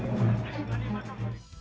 mengatakan penutupan sementara dua pasar hewan